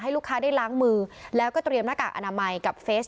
ลูกค้าได้ล้างมือแล้วก็เตรียมหน้ากากอนามัยกับเฟซ